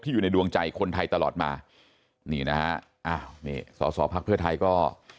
ที่อยู่ในดวงใจคนไทยตลอดมานี่นะฮะสสภักดิ์เพื่อไทยก็